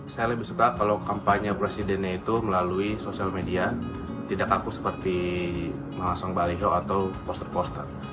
saya lebih suka kalau kampanye presidennya itu melalui sosial media tidak kaku seperti memasang baliho atau poster poster